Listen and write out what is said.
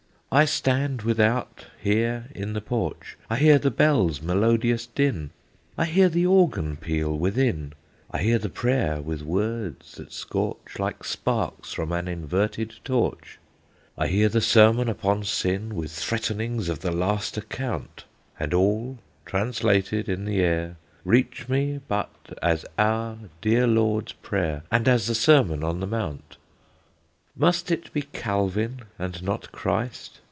"I stand without here in the porch, I hear the bell's melodious din, I hear the organ peal within, I hear the prayer, with words that scorch Like sparks from an inverted torch, I hear the sermon upon sin, With threatenings of the last account. And all, translated in the air, Reach me but as our dear Lord's Prayer, And as the Sermon on the Mount. "Must it be Calvin, and not Christ?